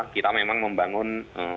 kita memang membangun